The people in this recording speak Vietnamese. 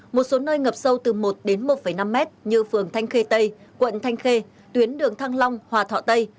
một số nơi ngập sâu từ một đến một năm mét như phường thanh khê tây quận thanh khê tuyến đường thăng long hòa thọ tây